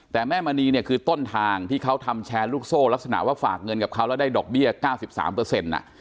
แต่แม่มณีเนี่ยคือต้นทางที่เขาทำแชร์ลูกโซ่ลักษณะว่าฝากเงินกับเขาแล้วได้ดอกเบี้ย๙๓เปอร์เซ็นต์